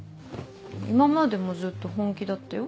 今までもずっと本気だったよ。